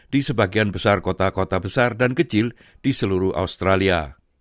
di sebagian besar kota kota besar dan kecil di seluruh australia